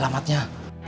aku mau ke rumah